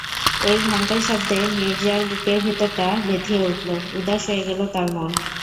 ঐ ঘণ্টার শব্দে নীরজার বুকের ভিতরটা ব্যথিয়ে উঠল, উদাস হয়ে গেল তার মন।